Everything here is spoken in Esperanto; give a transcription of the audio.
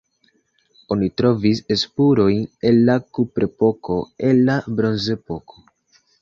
Oni trovis spurojn el la kuprepoko, el la bronzepoko.